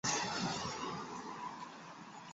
粗壮省藤为棕榈科省藤属下的一个变种。